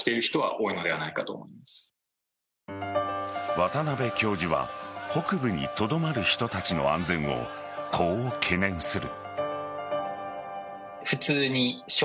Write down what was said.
渡邉教授は北部にとどまる人たちの安全をこう懸念する。